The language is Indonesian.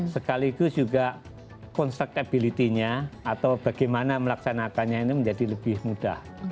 sekaligus juga constructability nya atau bagaimana melaksanakannya ini menjadi lebih mudah